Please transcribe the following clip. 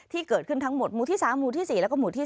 ที่เกิดขึ้นทั้งหมดหมู่ที่๓หมู่ที่๔แล้วก็หมู่ที่๓